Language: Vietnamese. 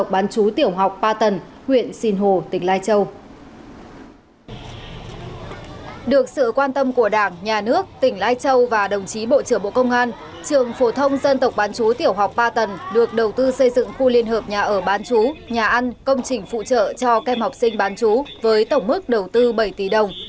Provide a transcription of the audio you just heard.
bộ trưởng bộ công an trường phổ thông dân tộc bán chú tiểu học ba tầng được đầu tư xây dựng khu liên hợp nhà ở bán chú nhà ăn công trình phụ trợ cho kem học sinh bán chú với tổng mức đầu tư bảy tỷ đồng